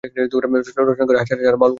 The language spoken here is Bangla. রচনা করেন হাজার হাজার বাউল গান।